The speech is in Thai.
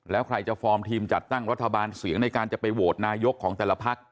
แล้วใครจะฟอร์มทีมจัดตั้งรัฐบาลเสียงในการจะไปโหวตนายกของแต่ละพัก